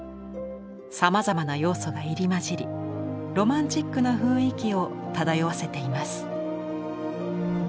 さまざまな要素が入り交じりロマンチックな雰囲気を漂わせています。